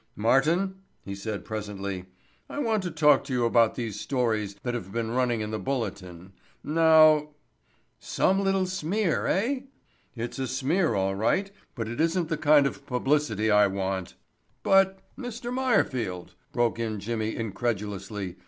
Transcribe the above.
"Martin," he said presently. "I want to talk to you about these stories that have been running in the Bulletin. Now——" "Some little smear, eh?" "It's a smear all right, but it isn't the kind of publicity I want." "But," Mr. Meyerfield," broke in Jimmy incredulously.